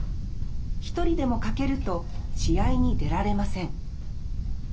一人でも欠けると試合に出られません。